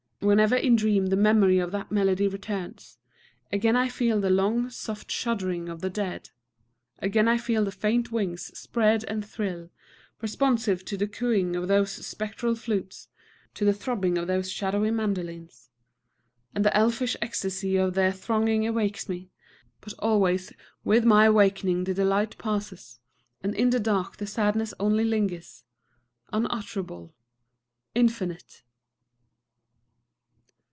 Whenever in dream the memory of that melody returns, again I feel the long soft shuddering of the dead, again I feel the faint wings spread and thrill, responsive to the cooing of those spectral flutes, to the throbbing of those shadowy mandolines. And the elfish ecstasy of their thronging awakes me; but always with my wakening the delight passes, and in the dark the sadness only lingers, unutterable, infinite...!